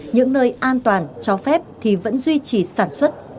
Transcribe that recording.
những nơi an toàn cho phép thì vẫn duy trì sản xuất phát triển kinh tế